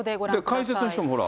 解説の人も、ほら。